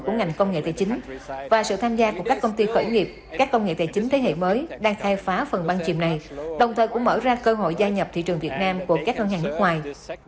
các công ty khởi nghiệp các công nghệ tài chính thế hệ mới đang thay phá phần băng chìm này đồng thời cũng mở ra cơ hội gia nhập thị trường việt nam của các ngân hàng nước ngoài